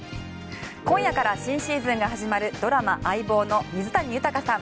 今夜から新シーズンが始まるドラマ「相棒」の水谷豊さん